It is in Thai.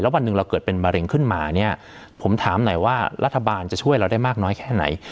วันหนึ่งเราเกิดเป็นมะเร็งขึ้นมาเนี่ยผมถามหน่อยว่ารัฐบาลจะช่วยเราได้มากน้อยแค่ไหน